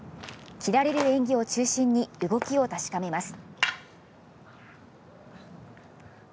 斬られる演技を中心に動きを確かめます。